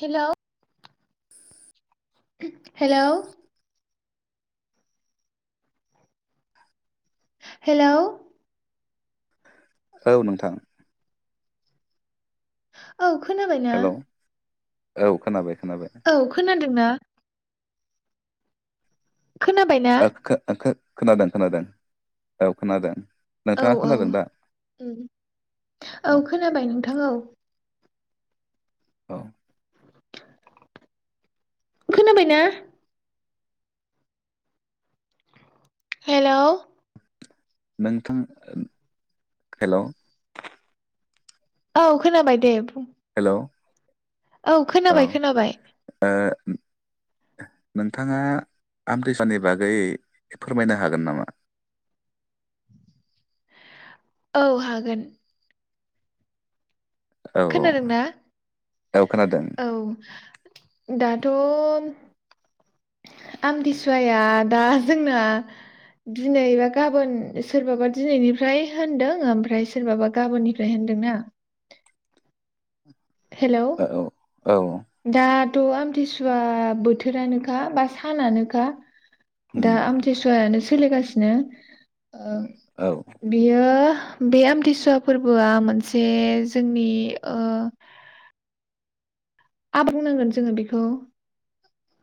Hello. Hello. Hello. औ नोंथां। औ। खोनाबायना? हेलौ औ खोनाबाय खोनाबाय। औ खोनादोंना? खोनाबायना आखो आखो खोनादों खोनादों औ खोनादों। औ नोंथाङा औ खोनादों दा औ खोनाबाय नोंथां औ। औ। खोनाबायना? हेलौ। नोंथां हेलौ। औ खोनाबायदे बुं। औ। हेलौ औ खोनाबाय खोनाबाय। ओ नोंथाङा आमतिसानि बागै फोरमायनो हागोन नामा? औ हागोन। औ औ खोनादों ना औ खोनादों औ। दाथ आमथिसुवाया दा जोंना दिनैबा गाबोन सोरबाबा दिनैनिफ्राय होनदों ओमफ्राय सोरबाबा गाबोननिफ्राय होनदोंना। हेलौ औ औ औ दा थ आमथिसुवा बोथोरानोखा बा सानानोखा। उम दा आमथिसुवायानो सोलिगासिनो। ओम औ बियो बे आमथिसुवा फोरबोआ मोनसे जोंनि ओ आ बुंनांगोन जोङो बेखौ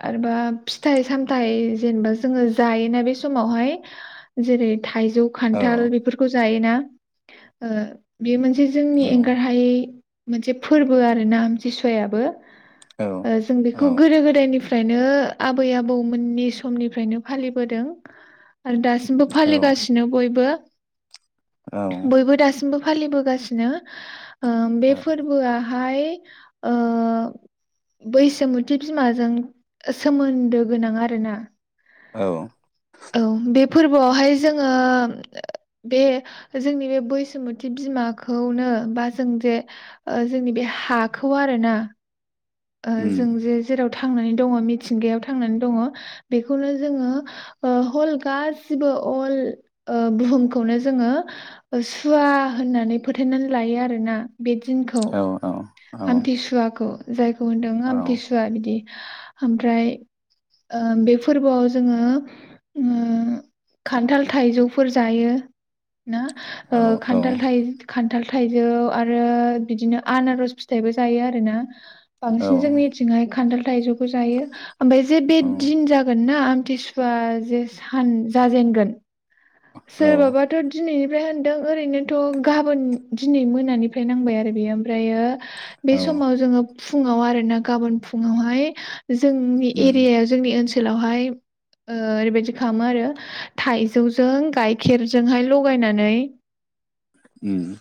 आरोबा फिथाइ सामथाइ जेनेबा जोङो जायोना बे समावहाय जेरै थाइजौ औ खान्थाल बेफोरखौ जायो। ना ओ बे मोनस से औ जोंनि एंगारहायै मोनसे फोरबो आर ना आमथिसुयाबो औ ओ जों बेखौ गोदो गोदायनि फ्रायनो आबै आबौमोननि समनिफ्रायनो फालिबोदों आरो दासिमबो औ फालिगासिनो बयबो बयबो दासिमबो फालिबोगासिनो बे फोरबोआ हाय ओ बैसोमुथि बिमाजों सोमोन्दो गोनां आरोना औ औ बे फोरबोआवहाय जोङो बे जोंनि बे बैसुमति बिमाखौनो बा जों जे जोंनि बे हाखौ आरोना उम जों जे जेराव था थांनानै दङ मिथिंगायाव थांनानै दङ बेखौनो जोङो हल गासिबो अल बुहुमखौनो जोङो सुवा होननानै फोथनानै लायो आरोना बे दिनखौ औ औ औ आमथिसुवाखौ जाय खौ होनदों औ आमथिसुवा बिदि ओमफ्राय बे फोरबोआव जोङो खान्थाल थाइजौफोर जायो ना औ खान्थाल थाइ खा न्थाल थाइजौ आरो बिदिनो आनारस फिथाइबो जायो आरोना बांसिन जोंनिथिंहाय खान्थाल थाइजौखौ जायो ओमफ्राय जे बे दिन जागोन ना आमथिसुवा जे सान जाजेनगोन औ सोर बाबाथ' दिनैनो ओमफ्राय होनदों ओरैनोथ' गाबोन दिनै मोनानिफ्राय नांबाय आरो बेयो ओमफ्रायो औ बे औ समाव जोङो फुङाव आरोना गाबोन फुङावहाय जोंनि उम एरिया जोंनि ओनसोल फोरावहाय ओरैबायादि खालामो आरो थाइजौ जों गाइखेरजोंहाय लगायनानै उम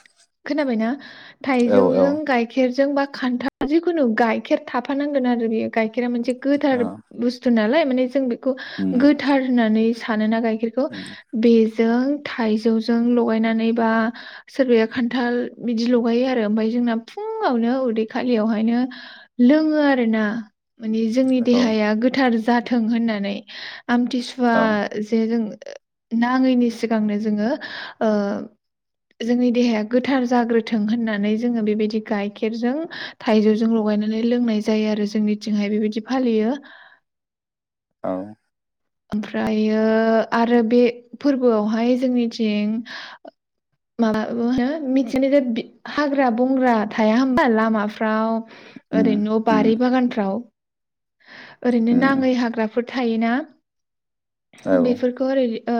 खोनाबायना औ औ थाइजौजों गाइखेर जोंबा खान्थाल जिखुनु गाइखेर थाफानांगोन आरो बेयो गाय खेरा मोनसे गोथार औ बुस्थु नालाय माने जों खौ उम गोथार होनानै सानोना गाय खेरखौ उम बेजों थाइजौजों लगायनानै बा सोरबाया खान्थाल बिदि लगायो आरो ओमफ्राय जोंना फुङावनो उदै खालियावहायनो लोङो आरो ना माने जोंनि औ देहाया गोथार जाथों होननानै आमथिसुवा औ जे जों नाङैनि सिगांनो जोङो ओ जोंनि देहाया गोथार जाग्रोथों होननानै जोङो बेबायदि गाइखेरजों थाइजौजों लगायनानै लोंनाय जायो आरो जोंनिथिंहाय बेबायदि फालियो औ ओमफ्रायो आरो बे फोरबोआवहाय जोंनिथिं माबा होनो मिथिनाय हाग्रा बंग्रा थाया हबा लामाफ्राव उम ओरैनो उम बारि बागानफ्राव ओरैनो उम नाङै हाग्राफोर थायोना औ ओ बेफोरखौ ओरै ओ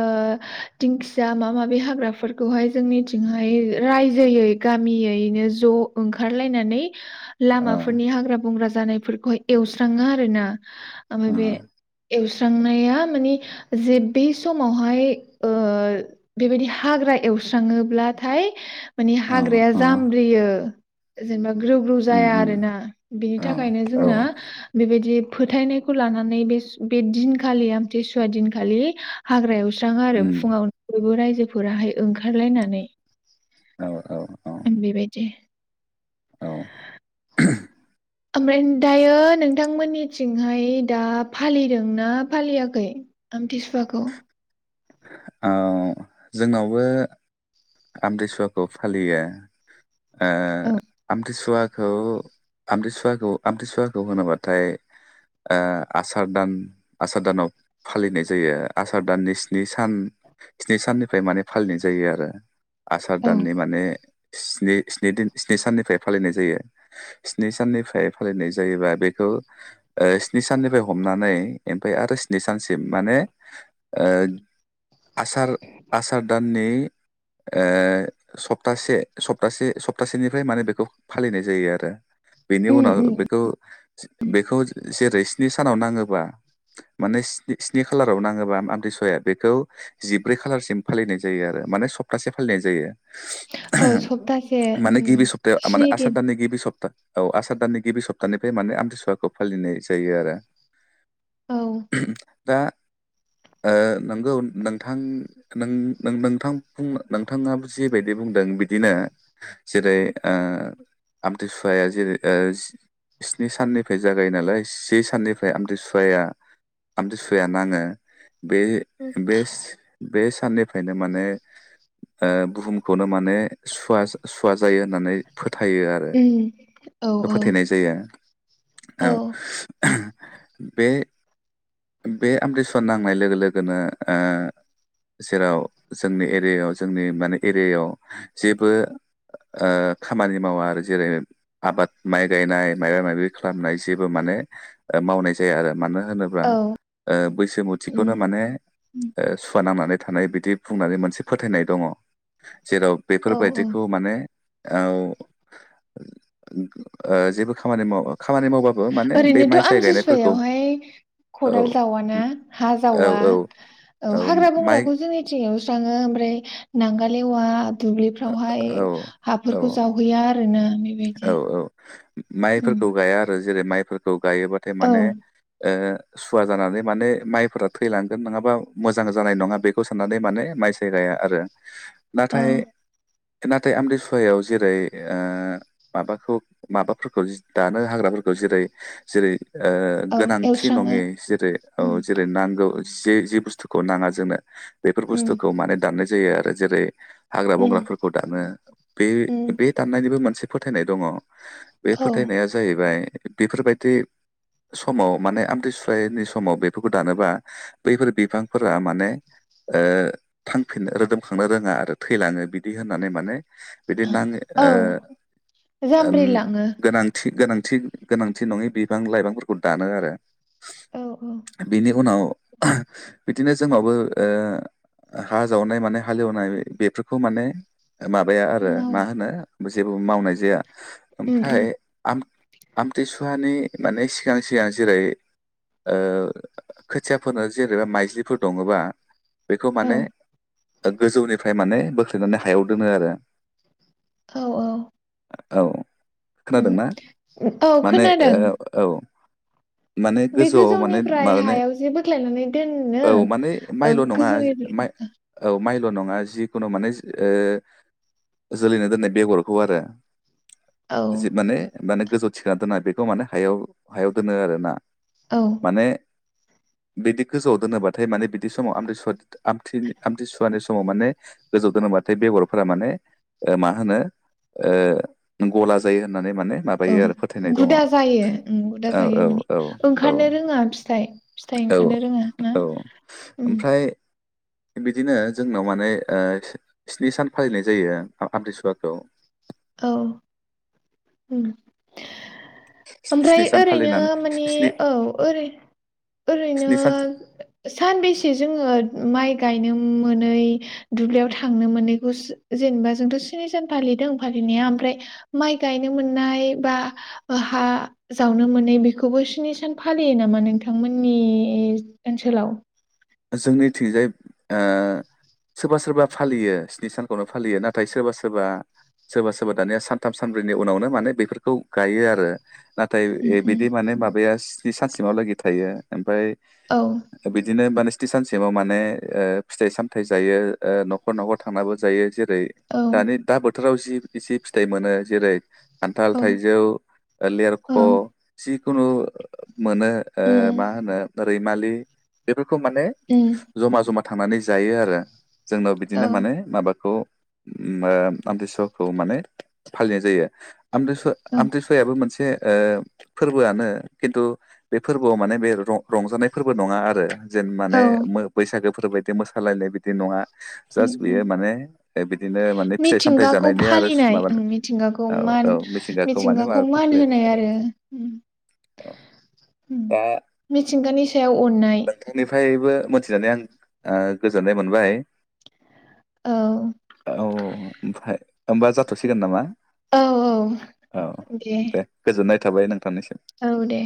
दिंखिया माबा माबि हाग्राफोरखौहाय जोंनिथिंहाय रायजोयै गामियैनो ज' ओंखारलायनानै ओ लामाफोरनि हाग्रा बंग्रा जानायफोरखौहाय एवस्राङो आरो ना आमफ्राय बे एव स्रांनो माने जे बे समावहाय ओ बेबायदि हाग्रा एवस्राङोब्लाथाय माने हाग्राया ओ जामब्रियो जेनेबा ग्रौ ग्रौ उम जाया उम आरोना बिनि औ थाखायनो औ जोंना बेबायदि फोथायनायखौ लानानै बे दिन खालि आमथि सुवा दिनखालि हाग्रायाव आरो उम फुङावनो बयबो रायजो बेफोराहाय ओंखारलायनानै औ औ आं बेबायदि औ [unintelligible] ओमफ्राय दायो नोंथांमोननिथिंहाय दा फालिदों ना फालियाखै टिसुवाखौ औ जोंनावबो आमथिसुवा खौ फालियो। आ आमथिसुवा खौ आमथिसुवाखौ आमथसुवाखौ होनोबाथायओ आसार दान आसार दानाव फालिनाय जायो आसार दाननि स्नि सान स्नि साननिफ्राय माने फालिनाय जायो आरो। आसार औ दाननि माने स्निन स्नि साननिफ्राय फालिनाय जायो स्नि साननिफ्राय फालिनाय जायोबा बेखौ स्नि साननिफ्राय हमनानै ओमफफ्राय आरो स्नि सानसिम माने आसार आसार दान नि ओ सप्तासे सप्तासे सप्तासेनिफ्राय माने बेखौ फालिनाय जायो आरो। बेनि उम उनाव उम बेखौ बेखौ जेरै स्नि सानाव नाङोबा माने स्नि खालाराव नाङोबा आमथ्रिसाया बेखौ जिब्रै खालारसिम फालिनाय जायो आरो माने स सप्तासे फालिनाय जायो। औ सप्तासे माने गिबि उम सप्ताह माने स्नि आसार दिन दानिनि गिबि सपता औ आसार दाननि गिबि सप्तानिफ्राय माने आमथिसुवाखौ फालिनाय जायो आरो। औ [inaudible] दा नोंगौ नोंथां नों नोंथां। नोंथाङो जिबायदि बुंदों बिदिनो जेरै आमतसुवाया जेरै स्नि साननिफ्राय जागायो नालाय से साननिफ्राय आमथिसुवाया आमतसुवाया नाङो बे बेस बेस साननिफ्रायनो माने ओ बुहुमखौनो माने सुवा सुवा जायो होननानै फोथ फोथायो आरो उम औ औ फोथायनाय जायो औ। बे बे आमथि सुवा नांनाय लोगो लोगोनो जेराव जोंनि एरियायाव जोंनि मान एरियायाव जेबो खामानि मावा आरो जेरै आबाद माइ गायनाय माइबा माबि खालामनाय जेबो माने मावनाय जाया आरो मानो होनोब्ला औ ओ बैसो उम मुथिखौनो माने ओ सुवा नांनानै थानाय मोनसे फोथायनाय दङ'। जेराव औ औ बेफोरबायदिखौ माने औ जेबो खामानि मावा खामानि मावबाबो माने बे ओरैनोथ' माइसाय गायनायफोरखौ आमथिसुवायावहाय औ खदाल जावा ना हा औ जावा औ औ हाग्रा बंग्राखौ जोंनि एवस्राङो ओमफ्राय नांगाल एवा दुब्लिफ्रावहाय औ औ हाफोरखौ जावहैया आरोना। बेबायदि औ औ। उम माइफोरखौ गाया आरो जेरै माइ गायोबाथाय औ माने ओ सुवा जानानै माने माइफोरा थैलांगोन नङाबा मोजां जानाय नङा बेखौ साननानै माने माइ सायराया आरो। औ नाथाय नाथाय आमरिसुवायाव जेरै ओ माबाखौ माबाफोरखौ दानो हाग्राफोरखौ जेरै जेरै औ ओ-गोनांथि एवस्राङो नङेै जेरै औ उम जेरै नांगौ जे जे बुस्थुखौ नाङा जोंनो। बेफोर उम बुस्थुखौ माने दाननाय जायो आरो। जेरै हाग्रा उम बंग्राफोरखौ दानो बे उम बे दाननायनिबो मोनसे फोथायनाय दङ। बे औ फोथायनाया जाहैबाय बेफोरबायदि समाव माने आमथिसुायनि समाव बेफोरखौ दानोबा बैफोर बिफांफोरा माने ओ- थांफिननो रोदोमखांनो रोङा आरो थैलाङो बिदि होननानै माने बिदिनो नाङो औ ओ ओम जामब्रिलाङो गोनांथि गोनांथि। गोनांथि नङै बिफां लाइफांफोरखौ दानो आरो। औ औ बिनि उनाव ओह बिदिनो जोंनावबो ओ हा जावनाय मानाय हालेवनाय बेफो खौ माने माबाया आरो मावो मा होनो जेबो मावनाय। जाया उम उम ओमफ्राय आम आमथिसुवानि माने सिगां सिगां जेरै ओ खोथिया फोनो जेरैबा माइज्लिफोर दङोबा बेखौ औ माने गोजौनिफ्राय माने बोख्लायनानै हायाव दोनो आरो। औ औ। औ। उम खोनादोंना औ खोनादों माने-ओ-औ। बे गोजौनिफ्राय माने हायाव जे बोख्लायनानै दोन-नो औ माने माइल' नङा गोजौनिफ्राय माइ ओह औ माइल नङा जिखुनु माने ओ-जोलैनो दोननाय बेगरखौ आरो। औ जे माने माने गोजौ थिखांनानै दोना बेखौ माने हायाव हायाव दोनो आरो ना। औ माने बिदि गोजौआव दोनोबाथाय माने बिदि समाव आ आमथि आमथि सुवानि अ माने गोजौ दोनोबाथाय बेगरफोरा माने मा होनो ओ गला जायो होन औ गुदा जायो ओ गुदा औ जायो माने औ औ ओंखारनो रोङा फिथाइ फिथाइ औ ओंखारनो रोङा ना औ ओ ओमफ्राय बिदिनो जोंनाव माने स्नि सान फालिनाय जायो आम्थिसुवाखौ औ ओमफ्राय स्नि सान ओरैनो फालिनानै माने स्नि औ ओरैनो स्नि सान सानबेसे जोङो माइ गायनो मोनै दुब्लियाव थांनो मोनैखौ जेनेबा जोंथ स्नि सान फालिदों फालिनाया ओमफ्राय माइ गायनो मोननाय बा हा जावनो मोनै बेखौबो स्नि सान फालियो नामा नोंथांमोननि ओनसोलाव? जोंनिथिंजाय सोरबा सोरबा फालियो स्नि सानखौनो फालियो नाथाय सोरबा सोरबा सोरबा सोरबा दानिया सानथाम सानब्रैनि उनावनो माने बेफोरखौ गायो आरो नाथाय उम उम बिदि माने माबाया जि सानसिमहालागै थायो ओमफ्राय औ बिदिनो बाने [unintelligible] सानसेमाव माने फिथाइ सामथायाइ जायो नखर नखर थांनाबो जायो जेर ओेरै औ दानि दा बोथोराव जि इसे फिथाइ मोनो जेरै खान्थाल औ थाइजौ लेरख औ जि खुनु मोनो ओ उम मा होनो रैमालि बेफोरखौ मोनो उम जमा जमा थांनानै जायो आरो। जोंनाव बिदिनो औ माने माबाखौ आमथि सुवाखौ माने फालिनाय जायो। आमथि सु‌ औ आमथि‌ सुवायाबो मोनसे ओ फोरबोआनो खिन्थु बे फोरबोआव माने बे रंजानाय फोरबो नङा आरो। जेन औ माने बैसागोफोर बायदि मोसालायनाय बायदि नङा ओम जास्ट ओम‌ बेयो माने बिदिनो माने फिथाइ सामथाइ मिथिंगाखौ जानायनि आरो फालिनाय माबानो ओम मिथिंगाखौ औ मान औ माने मिथिंगाखौ माबा मान खालायनाय होनाय आरो दा मिथिंगानि ओम सायाव अननाय नोंथांनिफ्रायबो मोनथिनानै आं गोजोननाय मोनबाय औ औ ओमफ्राय होमबा जाथसिगोन नामा? औ औ दे गोजोननाय थाबाय नों औ दे